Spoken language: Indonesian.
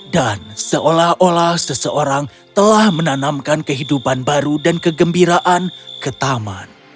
dan seolah olah seseorang telah menanamkan kehidupan baru dan kegembiraan ke taman